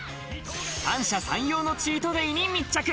三者三様のチートデイに密着。